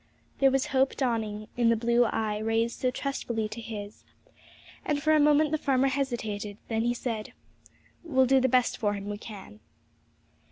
There was hope dawning in the blue eye raised so trustfully to his; and for a moment the farmer hesitated; then he said, 'We'll do the best for him we can.'